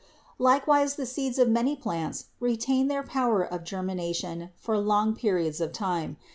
Likewise the seeds of many plants retain their power of germination for long periods of time.